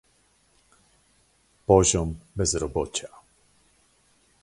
Poziom bezrobocia